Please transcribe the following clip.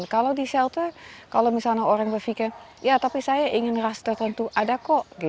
kalau di shelter kalau orang berpikir ya tapi saya ingin raster tentu ada kok